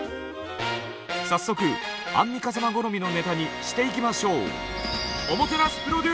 早速アンミカ様好みのネタにしていきましょう。